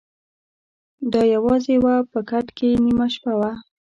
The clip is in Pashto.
د ا یوازي وه په کټ کي نیمه شپه وه